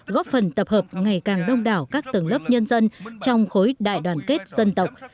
góp phần tập hợp ngày càng đông đảo các tầng lớp nhân dân trong khối đại đoàn kết dân tộc